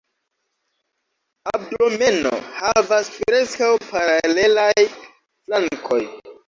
Abdomeno havas preskaŭ paralelaj flankoj.